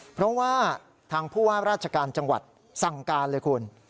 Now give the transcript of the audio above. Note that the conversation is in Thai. เพราะว่าทางพรจังหวัดทางการคุณ